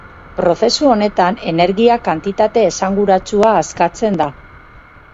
Prozesu honetan energia-kantitate esanguratsua askatzen da.